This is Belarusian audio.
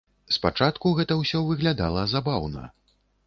Спачатку гэта ўсё выглядала забаўна.